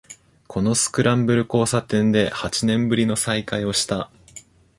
このスクランブル交差点で八年ぶりの再会をした